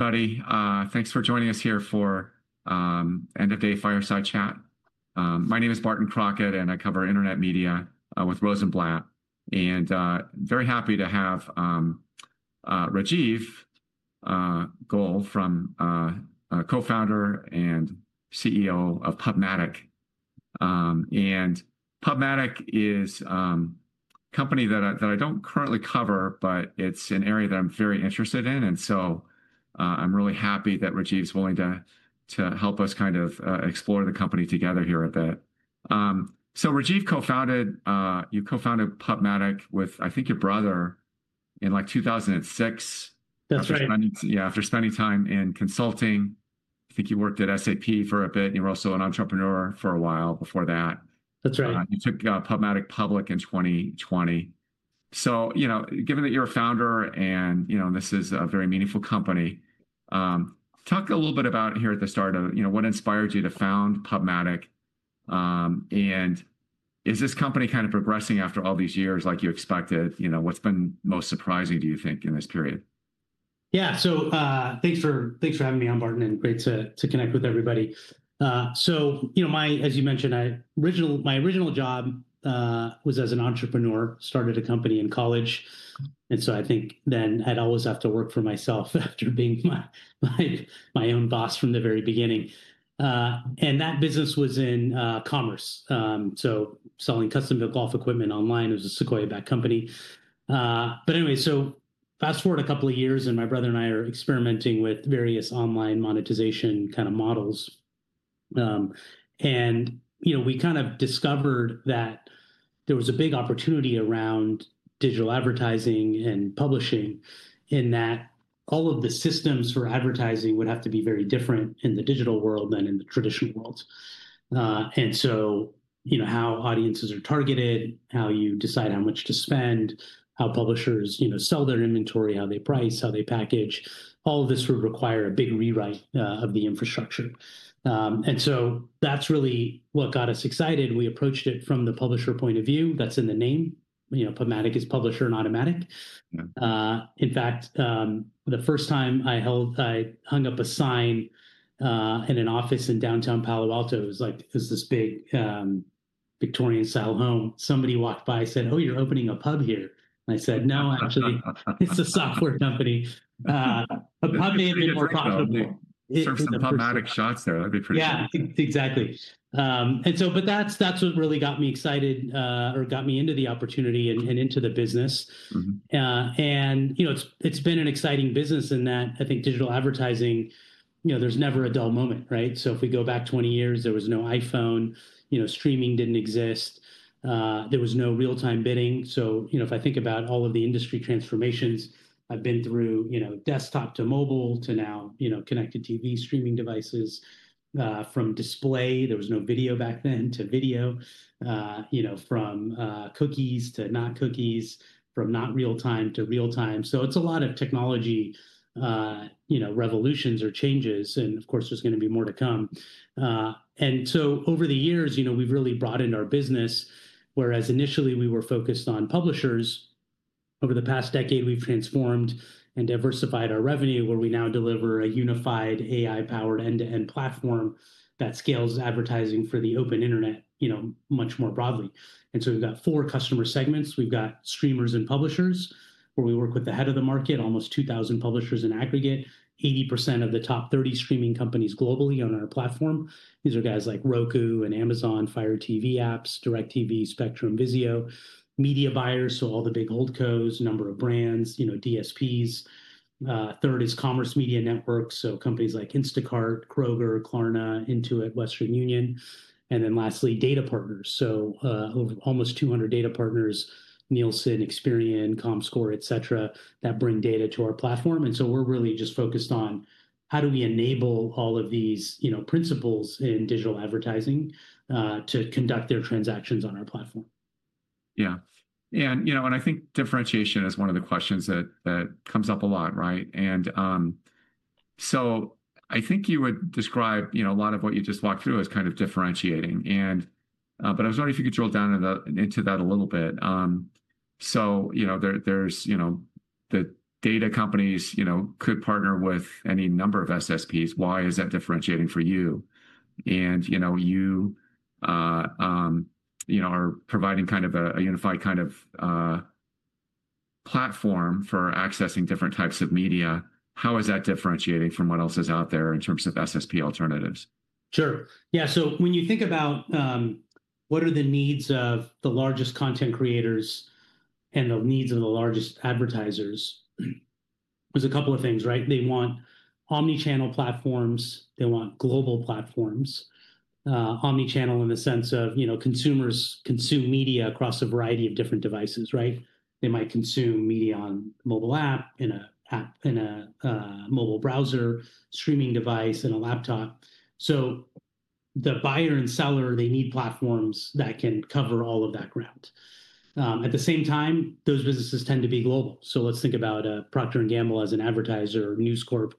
Buddy, thanks for joining us here for End of Day Fireside Chat. My name is Barton Crockett, and I cover internet media with Rosenblatt. I am very happy to have Rajeev Goel, co-founder and CEO of PubMatic. PubMatic is a company that I do not currently cover, but it is an area that I am very interested in. I am really happy that Rajeev is willing to help us kind of explore the company together here a bit. Rajeev co-founded PubMatic with, I think, your brother in like 2006. That's right. Yeah, after spending time in consulting. I think you worked at SAP for a bit, and you were also an entrepreneur for a while before that. That's right. You took PubMatic public in 2020. Given that you're a founder and this is a very meaningful company, talk a little bit here at the start about what inspired you to found PubMatic. Is this company kind of progressing after all these years like you expected? What's been most surprising, do you think, in this period? Yeah. Thanks for having me on, Barton, and great to connect with everybody. As you mentioned, my original job was as an entrepreneur. I started a company in college. I think then I'd always have to work for myself after being my own boss from the very beginning. That business was in commerce, selling custom-built golf equipment online. It was a Sequoia-backed company. Anyway, fast forward a couple of years, and my brother and I are experimenting with various online monetization kind of models. We kind of discovered that there was a big opportunity around digital advertising and publishing in that all of the systems for advertising would have to be very different in the digital world than in the traditional world. How audiences are targeted, how you decide how much to spend, how publishers sell their inventory, how they price, how they package, all of this would require a big rewrite of the infrastructure. That is really what got us excited. We approached it from the publisher point of view. That is in the name. PubMatic is publisher and automatic. In fact, the first time I hung up a sign in an office in downtown Palo Alto, it was like this big Victorian-style home. Somebody walked by and said, "Oh, you're opening a pub here." I said, "No, actually, it's a software company. A pub may have been more profitable. Some PubMatic shots there. That'd be pretty good. Yeah, exactly. That is what really got me excited or got me into the opportunity and into the business. It has been an exciting business in that I think digital advertising, there is never a dull moment, right? If we go back 20 years, there was no iPhone. Streaming did not exist. There was no real-time bidding. If I think about all of the industry transformations I have been through, desktop to mobile to now connected TV streaming devices, from display, there was no video back then, to video, from cookies to not cookies, from not real-time to real-time. It is a lot of technology revolutions or changes. Of course, there is going to be more to come. Over the years, we have really broadened our business. Whereas initially, we were focused on publishers, over the past decade, we've transformed and diversified our revenue, where we now deliver a unified AI-powered end-to-end platform that scales advertising for the open internet much more broadly. We have four customer segments. We have streamers and publishers, where we work with the head of the market, almost 2,000 publishers in aggregate, 80% of the top 30 streaming companies globally on our platform. These are guys like Roku and Amazon, Fire TV apps, DirecTV, Spectrum, VIZIO, media buyers, so all the big old cos, number of brands, DSPs. Third is Commerce Media Network, so companies like Instacart, Kroger, Klarna, Intuit, Western Union. Lastly, data partners, so almost 200 data partners, Nielsen, Experian, Comscore, et cetera, that bring data to our platform. We are really just focused on how do we enable all of these principles in digital advertising to conduct their transactions on our platform. Yeah. I think differentiation is one of the questions that comes up a lot, right? I think you would describe a lot of what you just walked through as kind of differentiating. I was wondering if you could drill down into that a little bit. There's the data companies could partner with any number of SSPs. Why is that differentiating for you? You are providing kind of a unified kind of platform for accessing different types of media. How is that differentiating from what else is out there in terms of SSP alternatives? Sure. Yeah. When you think about what are the needs of the largest content creators and the needs of the largest advertisers, there's a couple of things, right? They want omnichannel platforms. They want global platforms. Omnichannel in the sense of consumers consume media across a variety of different devices, right? They might consume media on a mobile app, in a mobile browser, streaming device, and a laptop. The buyer and seller, they need platforms that can cover all of that ground. At the same time, those businesses tend to be global. Let's think about Procter & Gamble as an advertiser, News Corp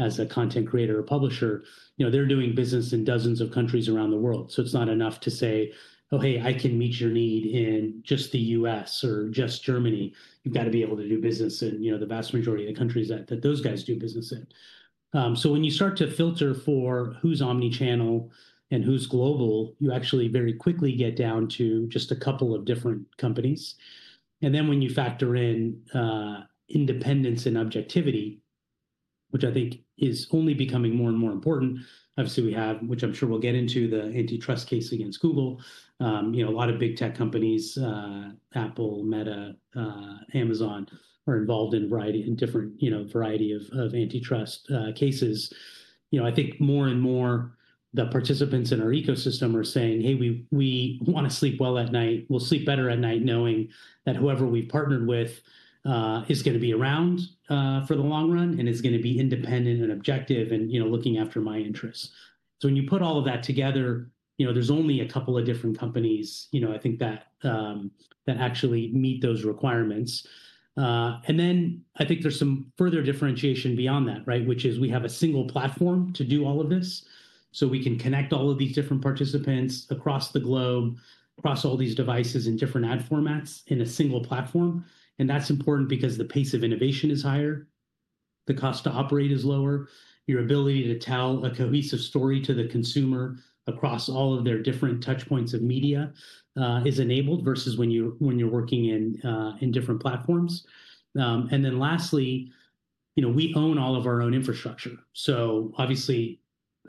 as a content creator or publisher. They're doing business in dozens of countries around the world. It is not enough to say, "Oh, hey, I can meet your need in just the U.S. or just Germany." You have to be able to do business in the vast majority of the countries that those guys do business in. When you start to filter for who is omnichannel and who is global, you actually very quickly get down to just a couple of different companies. When you factor in independence and objectivity, which I think is only becoming more and more important, obviously, we have, which I am sure we will get into, the antitrust case against Google. A lot of big tech companies, Apple, Meta, Amazon, are involved in a variety of antitrust cases. I think more and more, the participants in our ecosystem are saying, "Hey, we want to sleep well at night. We'll sleep better at night knowing that whoever we've partnered with is going to be around for the long run and is going to be independent and objective and looking after my interests. When you put all of that together, there's only a couple of different companies, I think, that actually meet those requirements. I think there's some further differentiation beyond that, right, which is we have a single platform to do all of this. We can connect all of these different participants across the globe, across all these devices in different ad formats in a single platform. That's important because the pace of innovation is higher. The cost to operate is lower. Your ability to tell a cohesive story to the consumer across all of their different touchpoints of media is enabled versus when you're working in different platforms. Lastly, we own all of our own infrastructure. Obviously,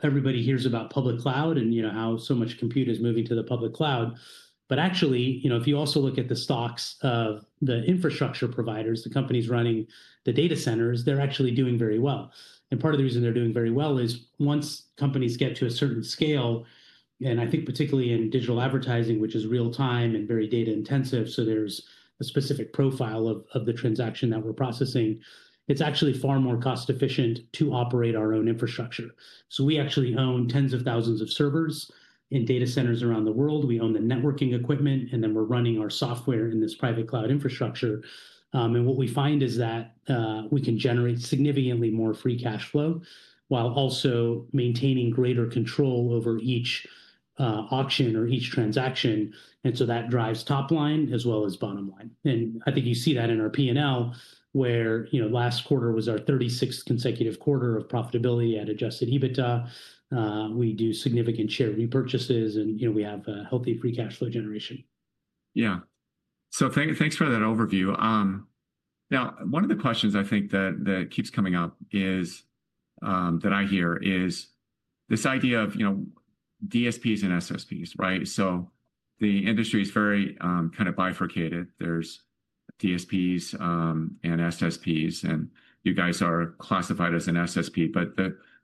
everybody hears about public cloud and how so much compute is moving to the public cloud. Actually, if you also look at the stocks of the infrastructure providers, the companies running the data centers, they're actually doing very well. Part of the reason they're doing very well is once companies get to a certain scale, and I think particularly in digital advertising, which is real-time and very data-intensive, so there's a specific profile of the transaction that we're processing, it's actually far more cost-efficient to operate our own infrastructure. We actually own tens of thousands of servers in data centers around the world. We own the networking equipment, and then we're running our software in this private cloud infrastructure. What we find is that we can generate significantly more free cash flow while also maintaining greater control over each auction or each transaction. That drives top line as well as bottom line. I think you see that in our P&L, where last quarter was our 36th consecutive quarter of profitability at adjusted EBITDA. We do significant share repurchases, and we have a healthy free cash flow generation. Yeah. Thanks for that overview. Now, one of the questions I think that keeps coming up that I hear is this idea of DSPs and SSPs, right? The industry is very kind of bifurcated. There are DSPs and SSPs, and you guys are classified as an SSP.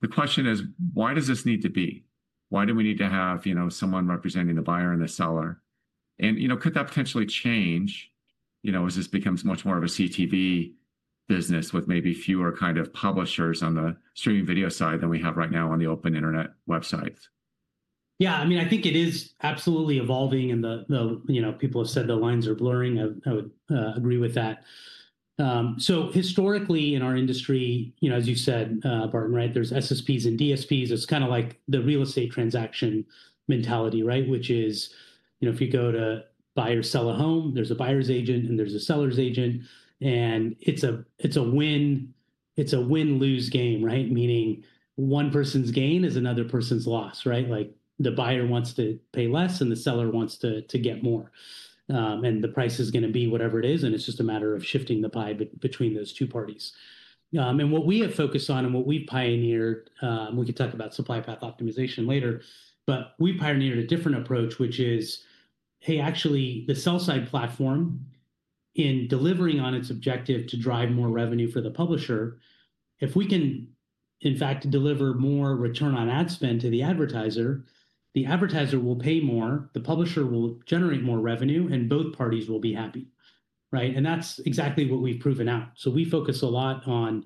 The question is, why does this need to be? Why do we need to have someone representing the buyer and the seller? Could that potentially change as this becomes much more of a CTV business with maybe fewer kind of publishers on the streaming video side than we have right now on the open internet websites? Yeah. I mean, I think it is absolutely evolving. People have said the lines are blurring. I would agree with that. Historically, in our industry, as you said, Barton, right, there's SSPs and DSPs. It's kind of like the real estate transaction mentality, right, which is if you go to buy or sell a home, there's a buyer's agent and there's a seller's agent. It's a win-lose game, right, meaning one person's gain is another person's loss, right? The buyer wants to pay less, and the seller wants to get more. The price is going to be whatever it is. It's just a matter of shifting the pie between those two parties. What we have focused on and what we've pioneered, we could talk about supply path optimization later, but we pioneered a different approach, which is, hey, actually, the sell-side platform, in delivering on its objective to drive more revenue for the publisher, if we can, in fact, deliver more return on ad spend to the advertiser, the advertiser will pay more, the publisher will generate more revenue, and both parties will be happy, right? That's exactly what we've proven out. We focus a lot on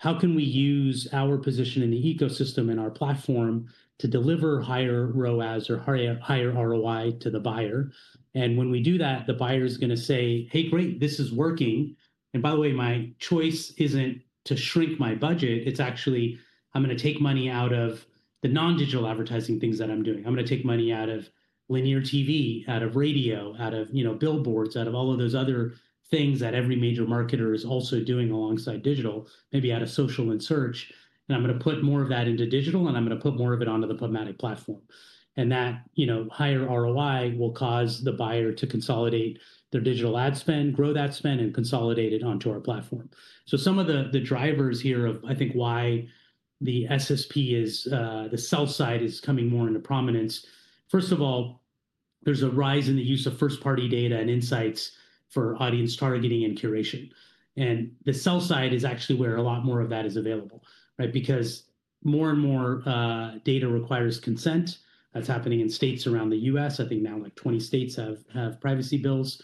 how can we use our position in the ecosystem and our platform to deliver higher ROAS or higher ROI to the buyer. When we do that, the buyer is going to say, "Hey, great, this is working." By the way, my choice isn't to shrink my budget. It's actually I'm going to take money out of the non-digital advertising things that I'm doing. I'm going to take money out of linear TV, out of radio, out of billboards, out of all of those other things that every major marketer is also doing alongside digital, maybe out of social and search. I'm going to put more of that into digital, and I'm going to put more of it onto the PubMatic platform. That higher ROI will cause the buyer to consolidate their digital ad spend, grow that spend, and consolidate it onto our platform. Some of the drivers here of, I think, why the SSP, the sell-side, is coming more into prominence, first of all, there's a rise in the use of first-party data and insights for audience targeting and curation. The sell-side is actually where a lot more of that is available, right? Because more and more data requires consent. That's happening in states around the U.S. I think now like 20 states have privacy bills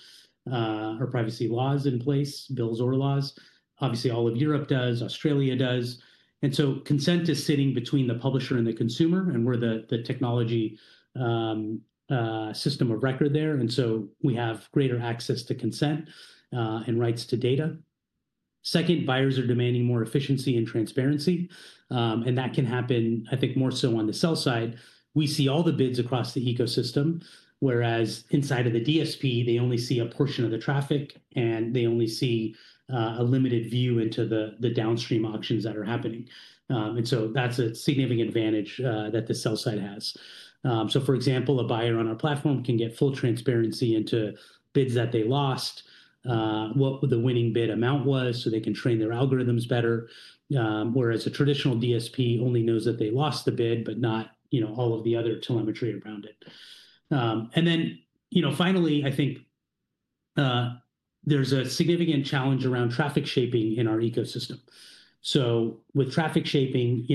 or privacy laws in place, bills or laws. Obviously, all of Europe does. Australia does. Consent is sitting between the publisher and the consumer, and we're the technology system of record there. We have greater access to consent and rights to data. Second, buyers are demanding more efficiency and transparency. That can happen, I think, more so on the sell-side. We see all the bids across the ecosystem, whereas inside of the DSP, they only see a portion of the traffic, and they only see a limited view into the downstream auctions that are happening. That's a significant advantage that the sell-side has. For example, a buyer on our platform can get full transparency into bids that they lost, what the winning bid amount was, so they can train their algorithms better, whereas a traditional DSP only knows that they lost the bid, but not all of the other telemetry around it. Finally, I think there's a significant challenge around traffic shaping in our ecosystem. With traffic shaping,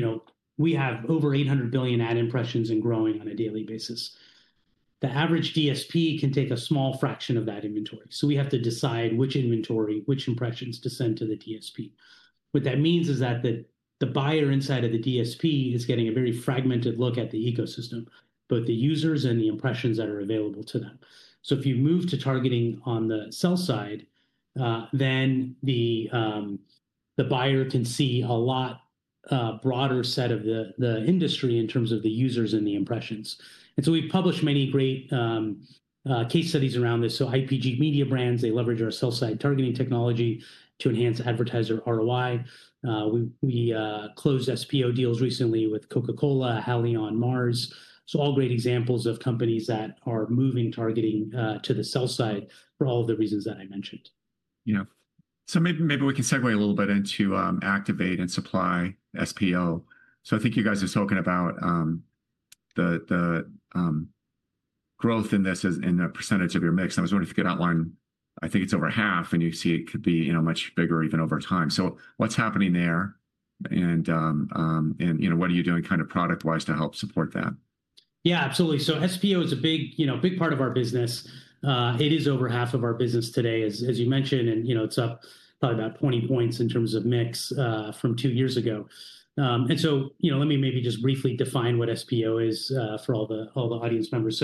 we have over 800 billion ad impressions and growing on a daily basis. The average DSP can take a small fraction of that inventory. We have to decide which inventory, which impressions to send to the DSP. What that means is that the buyer inside of the DSP is getting a very fragmented look at the ecosystem, both the users and the impressions that are available to them. If you move to targeting on the sell-side, then the buyer can see a lot broader set of the industry in terms of the users and the impressions. We have published many great case studies around this. IPG Mediabrands leverage our sell-side targeting technology to enhance advertiser ROI. We closed SPO deals recently with Coca-Cola, Haleon, and Mars. All great examples of companies that are moving targeting to the sell-side for all of the reasons that I mentioned. Yeah. Maybe we can segue a little bit into Activate and Supply SPO. I think you guys are talking about the growth in this in the percentage of your mix. I was wondering if you could outline, I think it is over half, and you see it could be much bigger even over time. What is happening there? What are you doing kind of product-wise to help support that? Yeah, absolutely. SPO is a big part of our business. It is over half of our business today, as you mentioned. It is up probably about 20 points in terms of mix from two years ago. Let me maybe just briefly define what SPO is for all the audience members.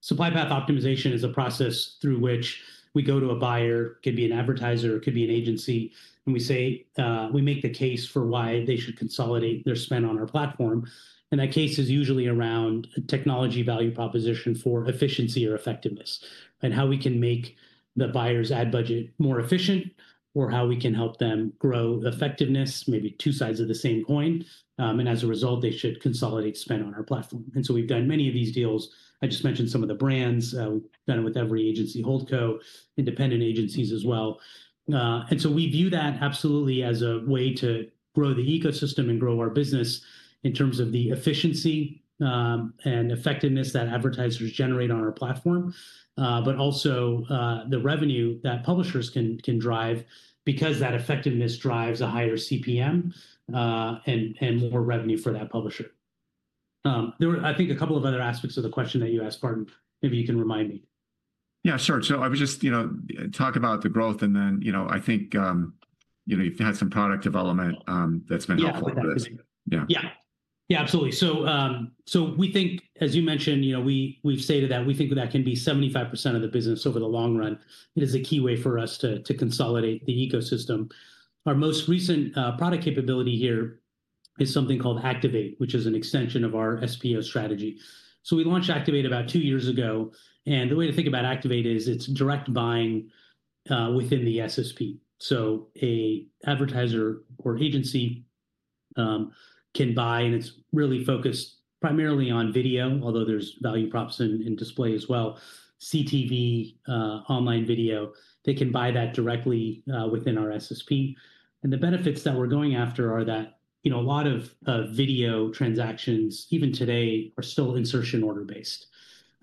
Supply path optimization is a process through which we go to a buyer, could be an advertiser, it could be an agency, and we make the case for why they should consolidate their spend on our platform. That case is usually around technology value proposition for efficiency or effectiveness and how we can make the buyer's ad budget more efficient or how we can help them grow effectiveness, maybe two sides of the same coin. As a result, they should consolidate spend on our platform. We have done many of these deals. I just mentioned some of the brands. We have done it with every agency, Holdco, independent agencies as well. We view that absolutely as a way to grow the ecosystem and grow our business in terms of the efficiency and effectiveness that advertisers generate on our platform, but also the revenue that publishers can drive because that effectiveness drives a higher CPM and more revenue for that publisher. There were, I think, a couple of other aspects of the question that you asked, Barton. Maybe you can remind me. Yeah, sure. I was just talking about the growth, and then I think you've had some product development that's been helpful for this. Yeah. Yeah, absolutely. We think, as you mentioned, we've stated that we think that can be 75% of the business over the long run. It is a key way for us to consolidate the ecosystem. Our most recent product capability here is something called Activate, which is an extension of our SPO strategy. We launched Activate about two years ago. The way to think about Activate is it's direct buying within the SSP. An advertiser or agency can buy, and it's really focused primarily on video, although there's value props in display as well, CTV, online video. They can buy that directly within our SSP. The benefits that we're going after are that a lot of video transactions, even today, are still insertion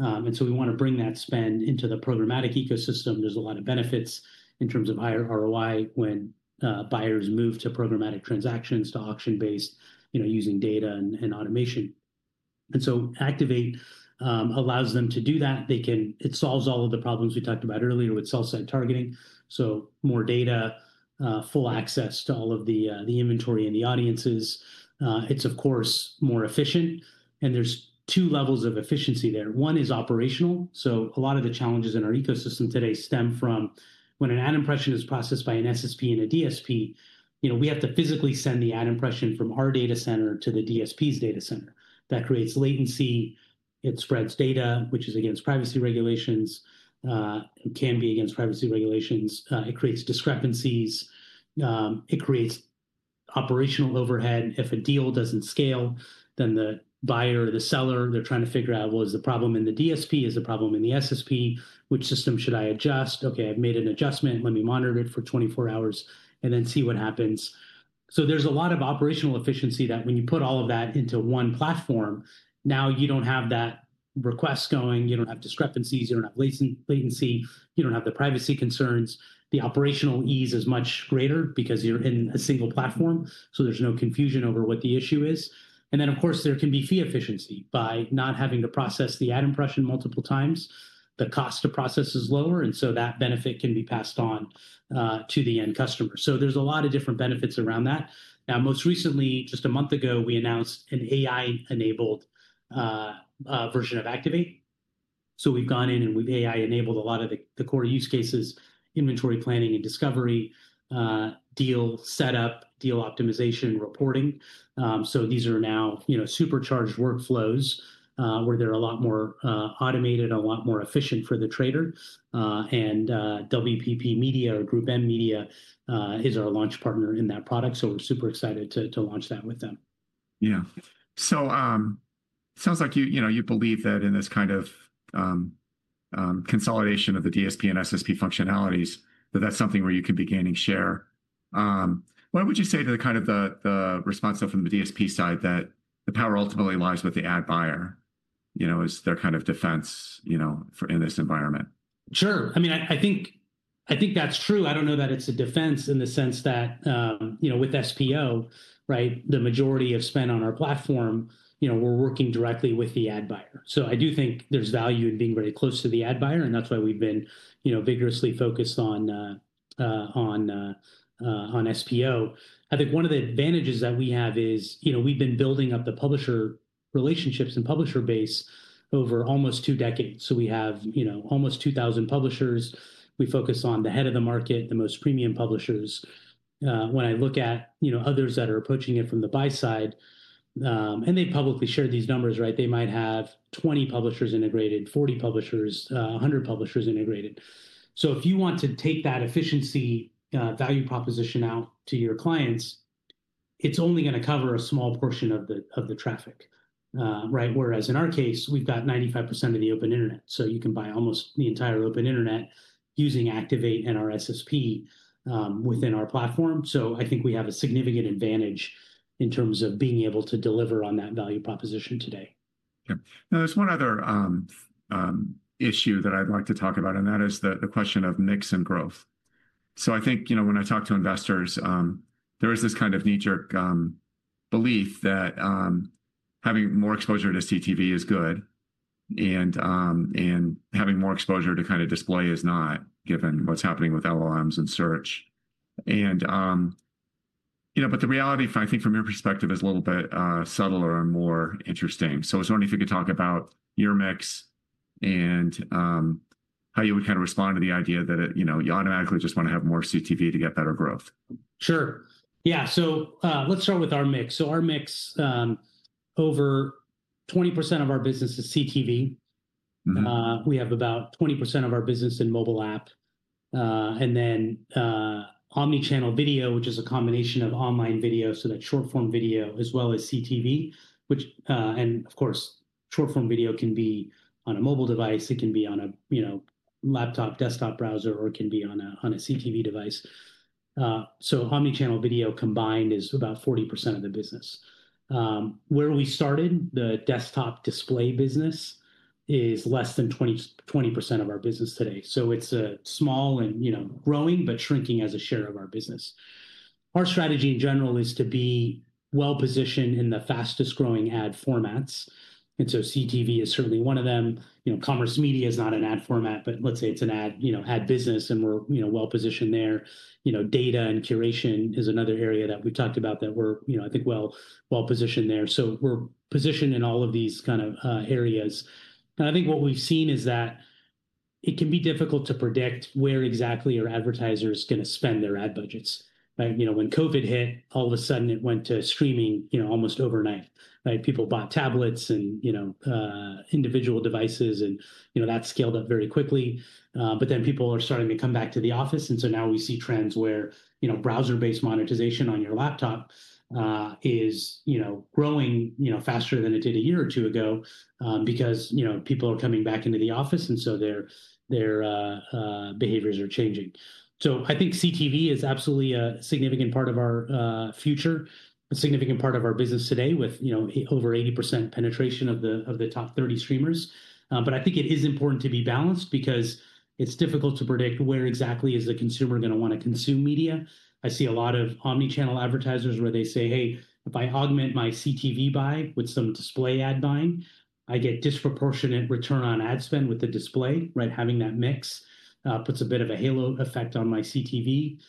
order-based. We want to bring that spend into the programmatic ecosystem. There's a lot of benefits in terms of higher ROI when buyers move to programmatic transactions, to auction-based using data and automation. Activate allows them to do that. It solves all of the problems we talked about earlier with sell-side targeting. More data, full access to all of the inventory and the audiences. It's, of course, more efficient. There's two levels of efficiency there. One is operational. A lot of the challenges in our ecosystem today stem from when an ad impression is processed by an SSP and a DSP, we have to physically send the ad impression from our data center to the DSP's data center. That creates latency. It spreads data, which is against privacy regulations, can be against privacy regulations. It creates discrepancies. It creates operational overhead. If a deal doesn't scale, then the buyer or the seller, they're trying to figure out, well, is the problem in the DSP? Is the problem in the SSP? Which system should I adjust? Okay, I've made an adjustment. Let me monitor it for 24 hours and then see what happens. There's a lot of operational efficiency that when you put all of that into one platform, now you don't have that request going. You don't have discrepancies. You don't have latency. You don't have the privacy concerns. The operational ease is much greater because you're in a single platform. There's no confusion over what the issue is. Of course, there can be fee efficiency by not having to process the ad impression multiple times. The cost to process is lower, and that benefit can be passed on to the end customer. There is a lot of different benefits around that. Now, most recently, just a month ago, we announced an AI-enabled version of Activate. We have gone in and we have AI-enabled a lot of the core use cases: inventory planning and discovery, deal setup, deal optimization, reporting. These are now supercharged workflows where they are a lot more automated, a lot more efficient for the trader. WPP Media or GroupM Media is our launch partner in that product. We are super excited to launch that with them. Yeah. So it sounds like you believe that in this kind of consolidation of the DSP and SSP functionalities, that that's something where you can be gaining share. What would you say to the kind of the response from the DSP side that the power ultimately lies with the ad buyer as their kind of defense in this environment? Sure. I mean, I think that's true. I don't know that it's a defense in the sense that with SPO, right, the majority of spend on our platform, we're working directly with the ad buyer. I do think there's value in being very close to the ad buyer, and that's why we've been vigorously focused on SPO. I think one of the advantages that we have is we've been building up the publisher relationships and publisher base over almost two decades. We have almost 2,000 publishers. We focus on the head of the market, the most premium publishers. When I look at others that are approaching it from the buy side, and they publicly share these numbers, right, they might have 20 publishers integrated, 40 publishers, 100 publishers integrated. If you want to take that efficiency value proposition out to your clients, it's only going to cover a small portion of the traffic, right? Whereas in our case, we've got 95% of the open internet. You can buy almost the entire open internet using Activate and our SSP within our platform. I think we have a significant advantage in terms of being able to deliver on that value proposition today. Yeah. Now, there's one other issue that I'd like to talk about, and that is the question of mix and growth. I think when I talk to investors, there is this kind of knee-jerk belief that having more exposure to CTV is good and having more exposure to kind of display is not, given what's happening with LLMs and search. The reality, I think from your perspective, is a little bit subtler and more interesting. I was wondering if you could talk about your mix and how you would kind of respond to the idea that you automatically just want to have more CTV to get better growth. Sure. Yeah. Let's start with our mix. Our mix, over 20% of our business is CTV. We have about 20% of our business in mobile app. Omnichannel video, which is a combination of online video, so that short-form video, as well as CTV, and of course, short-form video can be on a mobile device, it can be on a laptop, desktop browser, or it can be on a CTV device. Omnichannel video combined is about 40% of the business. Where we started, the desktop display business is less than 20% of our business today. It is small and growing, but shrinking as a share of our business. Our strategy in general is to be well-positioned in the fastest-growing ad formats. CTV is certainly one of them. Commerce media is not an ad format, but let's say it's an ad business, and we're well-positioned there. Data and curation is another area that we've talked about that we're, I think, well-positioned there. We are positioned in all of these kind of areas. I think what we've seen is that it can be difficult to predict where exactly our advertisers are going to spend their ad budgets. When COVID hit, all of a sudden, it went to streaming almost overnight. People bought tablets and individual devices, and that scaled up very quickly. People are starting to come back to the office. Now we see trends where browser-based monetization on your laptop is growing faster than it did a year or two ago because people are coming back into the office, and their behaviors are changing. I think CTV is absolutely a significant part of our future, a significant part of our business today with over 80% penetration of the top 30 streamers. I think it is important to be balanced because it's difficult to predict where exactly is the consumer going to want to consume media. I see a lot of omnichannel advertisers where they say, "Hey, if I augment my CTV buy with some display ad buying, I get disproportionate return on ad spend with the display." Having that mix puts a bit of a halo effect on my CTV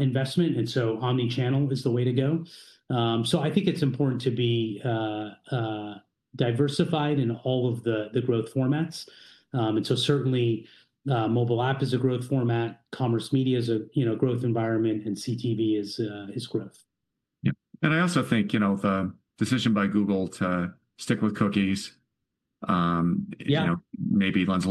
investment. Omnichannel is the way to go. I think it's important to be diversified in all of the growth formats. Certainly, mobile app is a growth format. Commerce media is a growth environment, and CTV is growth. Yeah. I also think the decision by Google to stick with cookies maybe lends a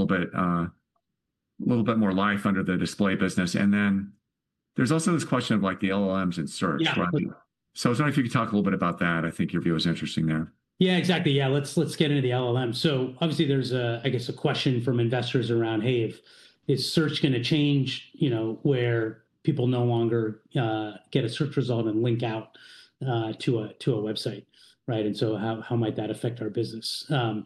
little bit more life under the display business. There is also this question of the LLMs and search. I was wondering if you could talk a little bit about that. I think your view is interesting there. Yeah, exactly. Yeah. Let's get into the LLM. Obviously, there's, I guess, a question from investors around, "Hey, is search going to change where people no longer get a search result and link out to a website?" How might that affect our business? A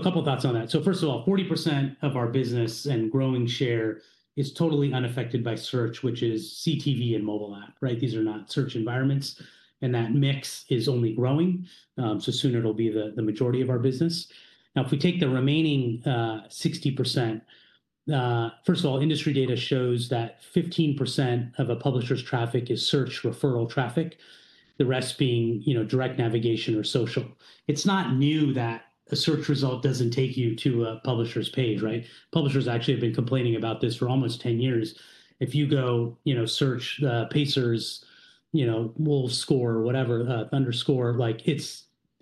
couple of thoughts on that. First of all, 40% of our business and growing share is totally unaffected by search, which is CTV and mobile app, right? These are not search environments. That mix is only growing. Soon it'll be the majority of our business. Now, if we take the remaining 60%, first of all, industry data shows that 15% of a publisher's traffic is search referral traffic, the rest being direct navigation or social. It's not new that a search result doesn't take you to a publisher's page, right? Publishers actually have been complaining about this for almost 10 years. If you go search Pacers, Wolves score, whatever, underscore,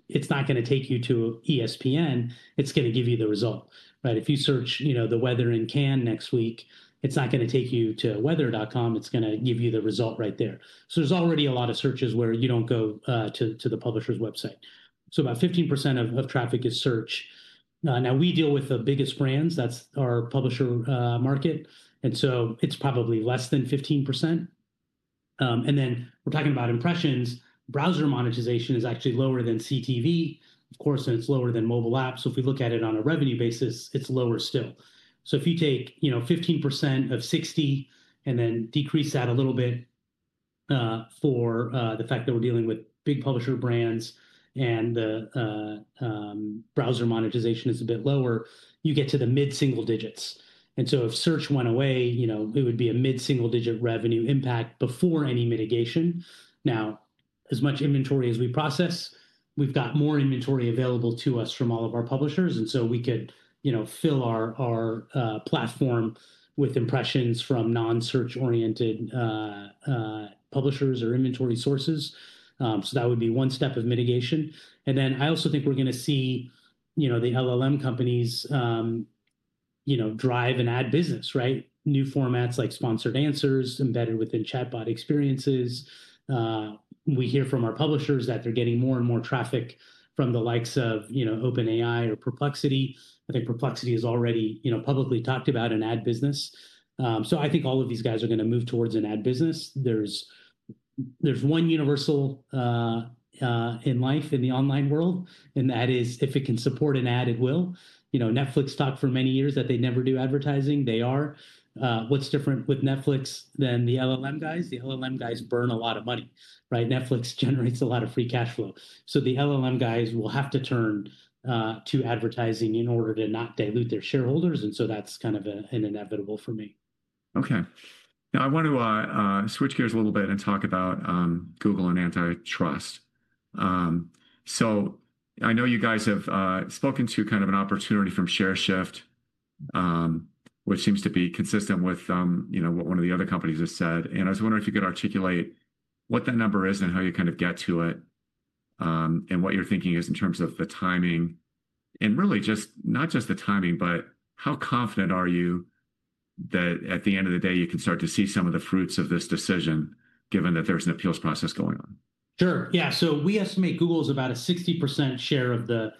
it's not going to take you to ESPN. It's going to give you the result, right? If you search the weather in Cannes next week, it's not going to take you to weather.com. It's going to give you the result right there. There is already a lot of searches where you do not go to the publisher's website. About 15% of traffic is search. Now, we deal with the biggest brands. That is our publisher market. It is probably less than 15%. We are talking about impressions. Browser monetization is actually lower than CTV, of course, and it is lower than mobile app. If we look at it on a revenue basis, it is lower still. If you take 15% of 60 and then decrease that a little bit for the fact that we're dealing with big publisher brands and the browser monetization is a bit lower, you get to the mid-single digits. If search went away, it would be a mid-single digit revenue impact before any mitigation. Now, as much inventory as we process, we've got more inventory available to us from all of our publishers. We could fill our platform with impressions from non-search-oriented publishers or inventory sources. That would be one step of mitigation. I also think we're going to see the LLM companies drive an ad business, right? New formats like sponsored answers embedded within chatbot experiences. We hear from our publishers that they're getting more and more traffic from the likes of OpenAI or Perplexity. I think Perplexity is already publicly talked about in ad business. I think all of these guys are going to move towards an ad business. There's one universal in life in the online world, and that is if it can support an ad, it will. Netflix talked for many years that they'd never do advertising. They are. What's different with Netflix than the LLM guys? The LLM guys burn a lot of money, right? Netflix generates a lot of free cash flow. The LLM guys will have to turn to advertising in order to not dilute their shareholders. That's kind of an inevitable for me. Okay. Now, I want to switch gears a little bit and talk about Google and antitrust. I know you guys have spoken to kind of an opportunity from ShareShift, which seems to be consistent with what one of the other companies has said. I was wondering if you could articulate what that number is and how you kind of get to it and what your thinking is in terms of the timing. Really just not just the timing, but how confident are you that at the end of the day, you can start to see some of the fruits of this decision, given that there's an appeals process going on? Sure. Yeah. We estimate Google is about a 60% share of the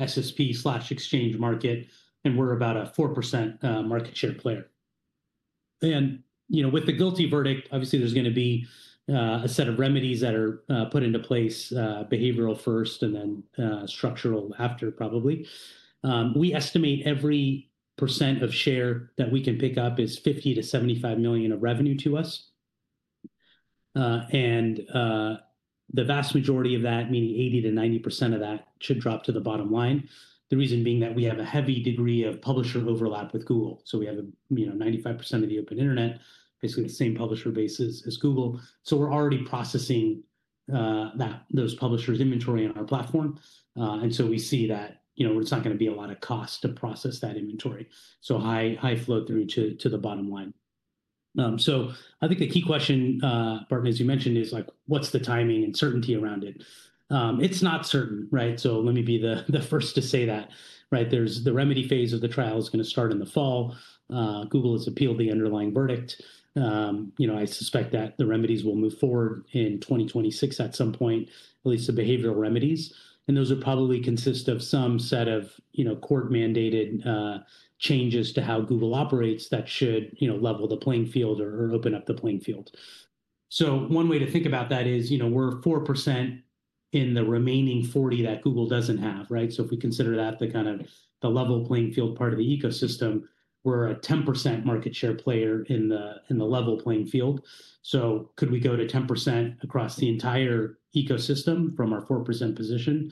SSP/exchange market, and we're about a 4% market share player. With the guilty verdict, obviously, there's going to be a set of remedies that are put into place, behavioral first and then structural after, probably. We estimate every percent of share that we can pick up is $50 million-$75 million of revenue to us. The vast majority of that, meaning 80%-90% of that, should drop to the bottom line. The reason being that we have a heavy degree of publisher overlap with Google. We have 95% of the open internet, basically the same publisher bases as Google. We're already processing those publishers' inventory on our platform. We see that it's not going to be a lot of cost to process that inventory. High flow through to the bottom line. I think the key question, Barton, as you mentioned, is what's the timing and certainty around it? It's not certain, right? Let me be the first to say that, right? The remedy phase of the trial is going to start in the fall. Google has appealed the underlying verdict. I suspect that the remedies will move forward in 2026 at some point, at least the behavioral remedies. Those would probably consist of some set of court-mandated changes to how Google operates that should level the playing field or open up the playing field. One way to think about that is we're 4% in the remaining 40% that Google doesn't have, right? If we consider that the kind of the level playing field part of the ecosystem, we're a 10% market share player in the level playing field. Could we go to 10% across the entire ecosystem from our 4% position?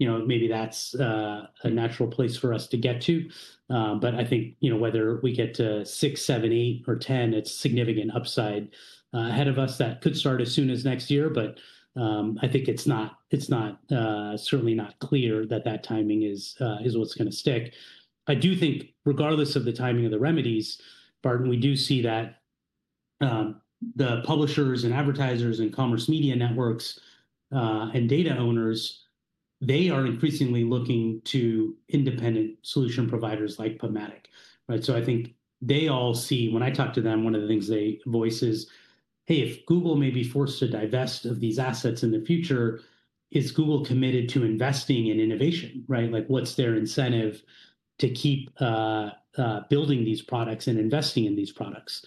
Maybe that's a natural place for us to get to. I think whether we get to 6%, 7%, 8%, or 10%, it's significant upside ahead of us that could start as soon as next year. I think it's certainly not clear that that timing is what's going to stick. I do think regardless of the timing of the remedies, Barton, we do see that the publishers and advertisers and commerce media networks and data owners, they are increasingly looking to independent solution providers like PubMatic, right? I think they all see when I talk to them, one of the things they voice is, "Hey, if Google may be forced to divest of these assets in the future, is Google committed to investing in innovation, right? What's their incentive to keep building these products and investing in these products?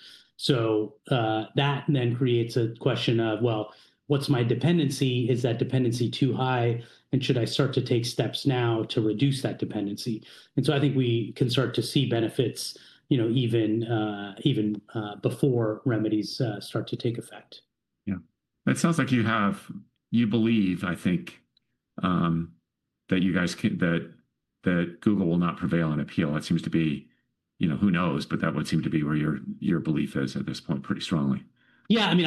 That then creates a question of, "What's my dependency? Is that dependency too high? Should I start to take steps now to reduce that dependency?" I think we can start to see benefits even before remedies start to take effect. Yeah. That sounds like you believe, I think, that Google will not prevail in appeal. That seems to be, who knows, but that would seem to be where your belief is at this point pretty strongly. Yeah. I mean,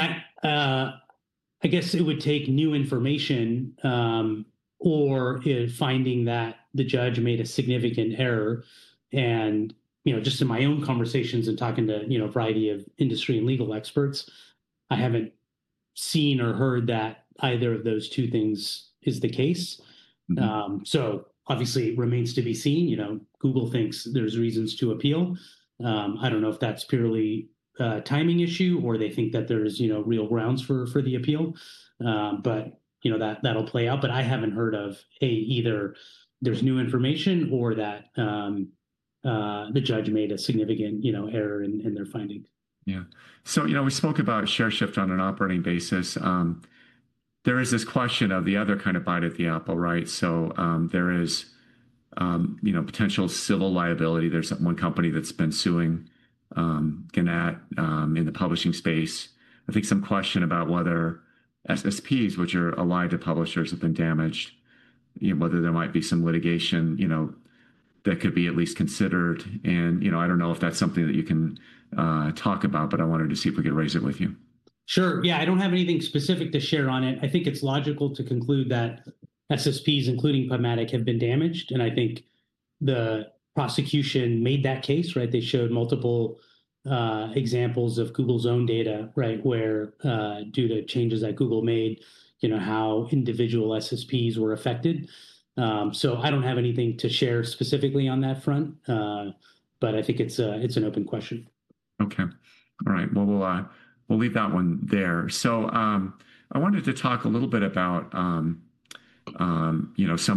I guess it would take new information or finding that the judge made a significant error. And just in my own conversations and talking to a variety of industry and legal experts, I haven't seen or heard that either of those two things is the case. Obviously, it remains to be seen. Google thinks there's reasons to appeal. I don't know if that's purely a timing issue or they think that there's real grounds for the appeal, but that'll play out. I haven't heard of, A, either there's new information or that the judge made a significant error in their findings. Yeah. We spoke about ShareShift on an operating basis. There is this question of the other kind of bite at the apple, right? There is potential civil liability. There is one company that has been suing Gannett in the publishing space. I think some question about whether SSPs, which are allied to publishers, have been damaged, whether there might be some litigation that could be at least considered. I do not know if that is something that you can talk about, but I wanted to see if we could raise it with you. Sure. Yeah. I do not have anything specific to share on it. I think it is logical to conclude that SSPs, including PubMatic, have been damaged. I think the prosecution made that case, right? They showed multiple examples of Google's own data, right, due to changes that Google made, how individual SSPs were affected. I do not have anything to share specifically on that front, but I think it is an open question. Okay. All right. We'll leave that one there. I wanted to talk a little bit about some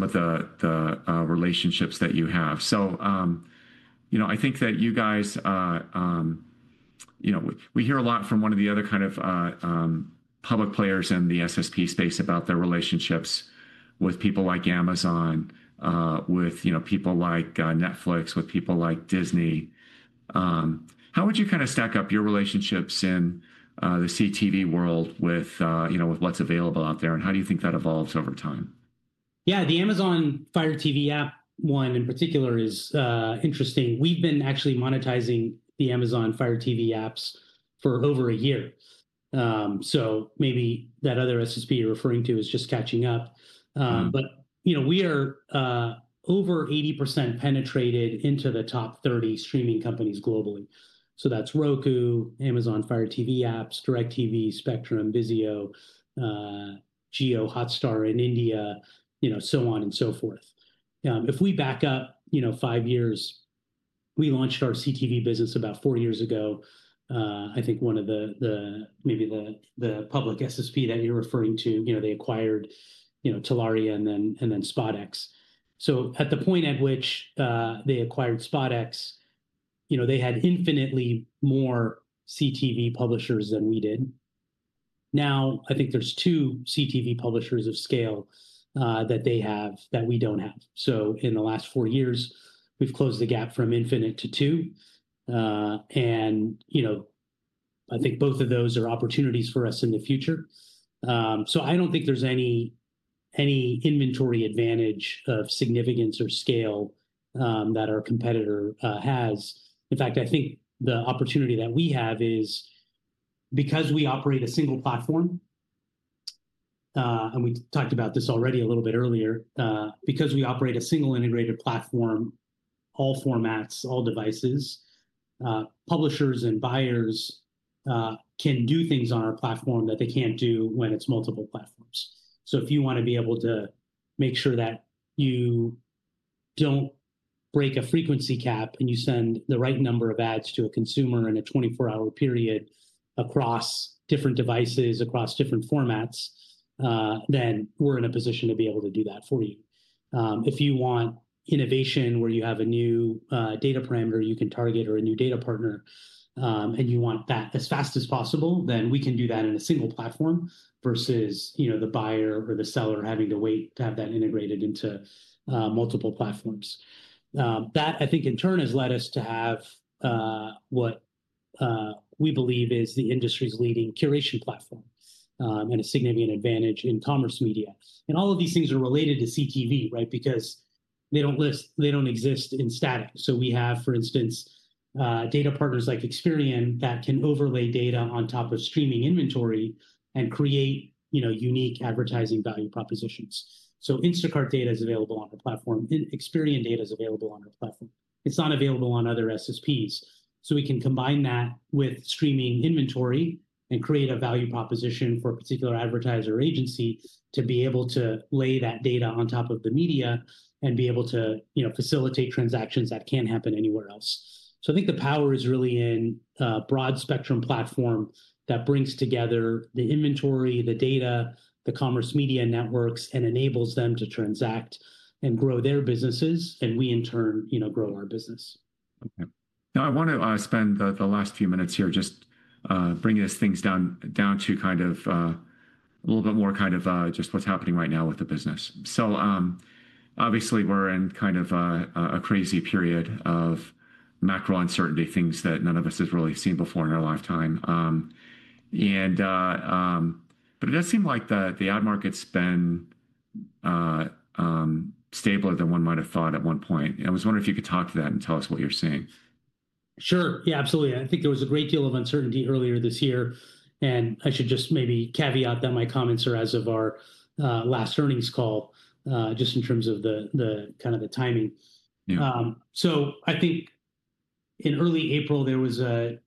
of the relationships that you have. I think that you guys, we hear a lot from one of the other kind of public players in the SSP space about their relationships with people like Amazon, with people like Netflix, with people like Disney. How would you kind of stack up your relationships in the CTV world with what's available out there? How do you think that evolves over time? Yeah. The Amazon Fire TV app one in particular is interesting. We've been actually monetizing the Amazon Fire TV apps for over a year. Maybe that other SSP you're referring to is just catching up. We are over 80% penetrated into the top 30 streaming companies globally. That is Roku, Amazon Fire TV apps, DirecTV, Spectrum, Vizio, Jio, Hotstar in India, so on and so forth. If we back up five years, we launched our CTV business about four years ago. I think maybe the public SSP that you're referring to, they acquired Telaria and then SpotX. At the point at which they acquired SpotX, they had infinitely more CTV publishers than we did. Now, I think there are two CTV publishers of scale that they have that we do not have. In the last four years, we've closed the gap from infinite to two. I think both of those are opportunities for us in the future. I do not think there is any inventory advantage of significance or scale that our competitor has. In fact, I think the opportunity that we have is because we operate a single platform, and we talked about this already a little bit earlier, because we operate a single integrated platform, all formats, all devices, publishers and buyers can do things on our platform that they cannot do when it is multiple platforms. If you want to be able to make sure that you do not break a frequency cap and you send the right number of ads to a consumer in a 24-hour period across different devices, across different formats, then we are in a position to be able to do that for you. If you want innovation where you have a new data parameter you can target or a new data partner and you want that as fast as possible, then we can do that in a single platform versus the buyer or the seller having to wait to have that integrated into multiple platforms. That, I think, in turn has led us to have what we believe is the industry's leading curation platform and a significant advantage in commerce media. All of these things are related to CTV, right? Because they do not exist in static. We have, for instance, data partners like Experian that can overlay data on top of streaming inventory and create unique advertising value propositions. Instacart data is available on our platform. Experian data is available on our platform. It is not available on other SSPs. We can combine that with streaming inventory and create a value proposition for a particular advertiser or agency to be able to lay that data on top of the media and be able to facilitate transactions that cannot happen anywhere else. I think the power is really in a broad spectrum platform that brings together the inventory, the data, the commerce media networks, and enables them to transact and grow their businesses, and we in turn grow our business. Okay. Now, I want to spend the last few minutes here just bringing these things down to kind of a little bit more kind of just what's happening right now with the business. Obviously, we're in kind of a crazy period of macro uncertainty, things that none of us has really seen before in our lifetime. It does seem like the ad market's been stabler than one might have thought at one point. I was wondering if you could talk to that and tell us what you're seeing. Sure. Yeah, absolutely. I think there was a great deal of uncertainty earlier this year. I should just maybe caveat that my comments are as of our last earnings call, just in terms of the kind of the timing. I think in early April, there was a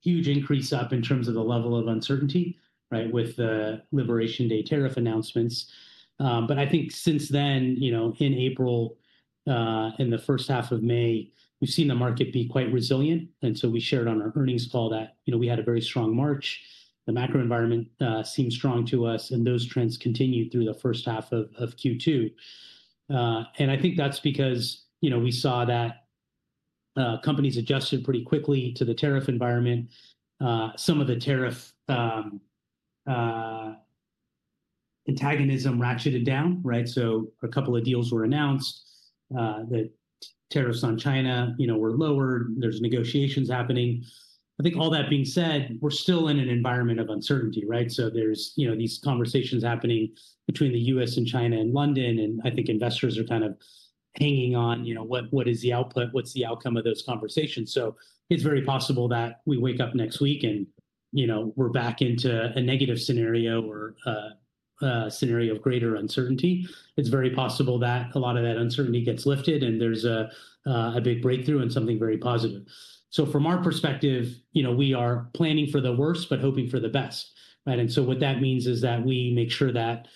huge increase up in terms of the level of uncertainty, right, with the Liberation Day tariff announcements. I think since then, in April, in the first half of May, we've seen the market be quite resilient. We shared on our earnings call that we had a very strong March. The macro environment seemed strong to us, and those trends continued through the first half of Q2. I think that's because we saw that companies adjusted pretty quickly to the tariff environment. Some of the tariff antagonism ratcheted down, right? A couple of deals were announced. The tariffs on China were lowered. There are negotiations happening. I think all that being said, we're still in an environment of uncertainty, right? There are these conversations happening between the U.S. and China and London. I think investors are kind of hanging on, what is the output? What's the outcome of those conversations? It is very possible that we wake up next week and we're back into a negative scenario or a scenario of greater uncertainty. It is very possible that a lot of that uncertainty gets lifted and there's a big breakthrough and something very positive. From our perspective, we are planning for the worst, but hoping for the best, right? What that means is that we make sure that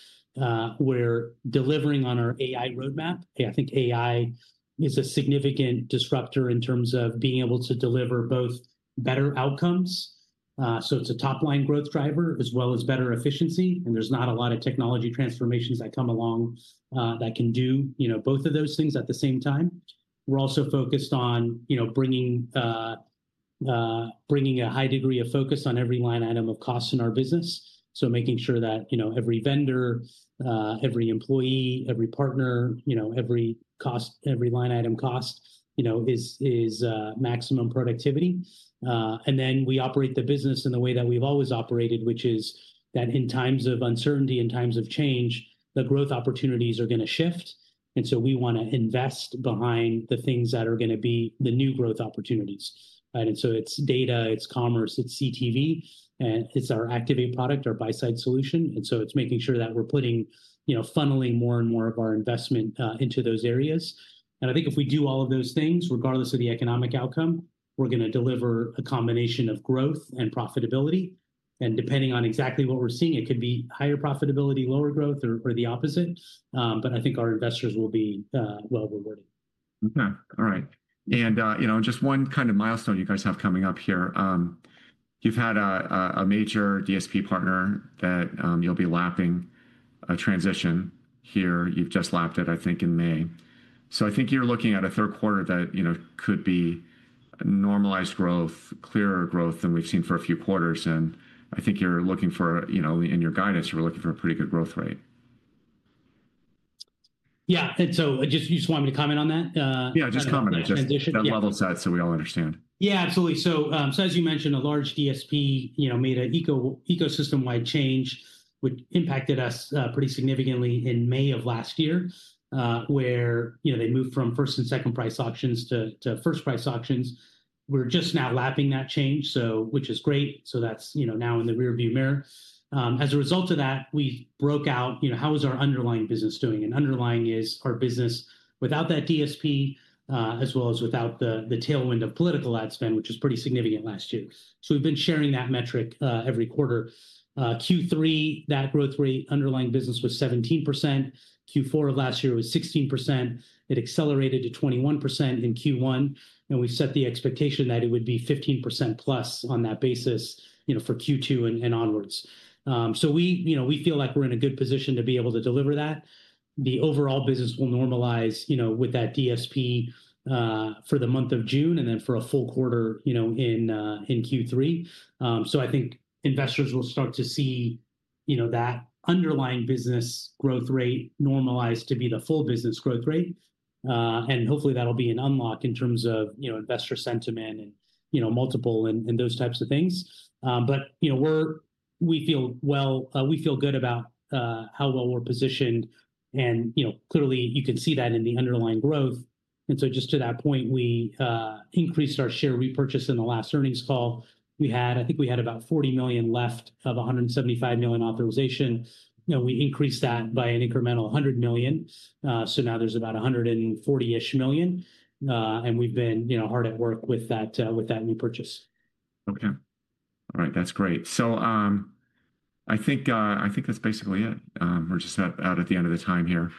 we're delivering on our AI roadmap. I think AI is a significant disruptor in terms of being able to deliver both better outcomes. It is a top-line growth driver as well as better efficiency. There are not a lot of technology transformations that come along that can do both of those things at the same time. We are also focused on bringing a high degree of focus on every line item of cost in our business. Making sure that every vendor, every employee, every partner, every line item cost is maximum productivity. We operate the business in the way that we have always operated, which is that in times of uncertainty, in times of change, the growth opportunities are going to shift. We want to invest behind the things that are going to be the new growth opportunities. It is data, it is commerce, it is CTV, and it is our Activate product, our buy-side solution. It is making sure that we're funneling more and more of our investment into those areas. I think if we do all of those things, regardless of the economic outcome, we're going to deliver a combination of growth and profitability. Depending on exactly what we're seeing, it could be higher profitability, lower growth, or the opposite. I think our investors will be well rewarded. Okay. All right. Just one kind of milestone you guys have coming up here. You've had a major DSP partner that you'll be lapping a transition here. You've just lapped it, I think, in May. I think you're looking at a third quarter that could be normalized growth, clearer growth than we've seen for a few quarters. I think you're looking for, in your guidance, you're looking for a pretty good growth rate. Yeah. You just want me to comment on that? Yeah, just comment. Just level set so we all understand. Yeah, absolutely. As you mentioned, a large DSP made an ecosystem-wide change, which impacted us pretty significantly in May of last year, where they moved from first and second price auctions to first price auctions. We're just now lapping that change, which is great. That's now in the rearview mirror. As a result of that, we broke out, how is our underlying business doing? Underlying is our business without that DSP, as well as without the tailwind of political ad spend, which was pretty significant last year. We've been sharing that metric every quarter. Q3, that growth rate, underlying business was 17%. Q4 of last year was 16%. It accelerated to 21% in Q1. We set the expectation that it would be 15% plus on that basis for Q2 and onwards. We feel like we're in a good position to be able to deliver that. The overall business will normalize with that DSP for the month of June and then for a full quarter in Q3. I think investors will start to see that underlying business growth rate normalize to be the full business growth rate. Hopefully, that'll be an unlock in terms of investor sentiment and multiple and those types of things. We feel good about how well we're positioned. Clearly, you can see that in the underlying growth. Just to that point, we increased our share repurchase in the last earnings call. I think we had about $40 million left of $175 million authorization. We increased that by an incremental $100 million. Now there's about $140 million. We've been hard at work with that new purchase. Okay. All right. That's great. I think that's basically it. We're just about at the end of the time here.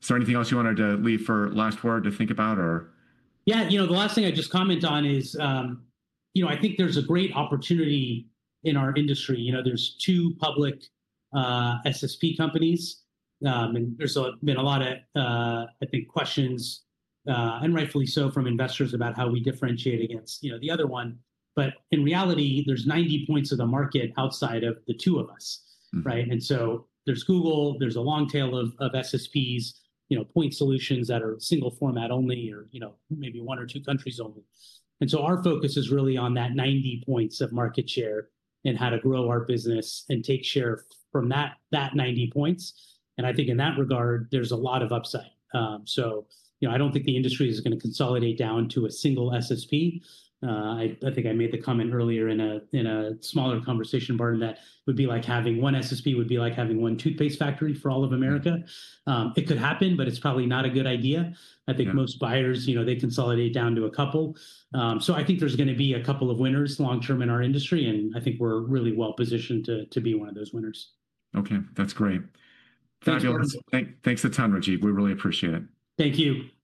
Is there anything else you wanted to leave for last word to think about, or? Yeah. The last thing I'd just comment on is I think there's a great opportunity in our industry. There's two public SSP companies. And there's been a lot of, I think, questions, and rightfully so, from investors about how we differentiate against the other one. In reality, there's 90 points of the market outside of the two of us, right? There's Google. There's a long tail of SSPs, point solutions that are single format only or maybe one or two countries only. Our focus is really on that 90 points of market share and how to grow our business and take share from that 90 points. I think in that regard, there's a lot of upside. I don't think the industry is going to consolidate down to a single SSP. I think I made the comment earlier in a smaller conversation, Barton, that would be like having one SSP would be like having one toothpaste factory for all of America. It could happen, but it's probably not a good idea. I think most buyers, they consolidate down to a couple. I think there's going to be a couple of winners long-term in our industry. I think we're really well positioned to be one of those winners. Okay. That's great. Thank you. Thanks a ton, Rajeev. We really appreciate it. Thank you. Okay.